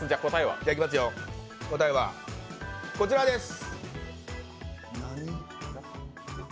答えは、こちらです。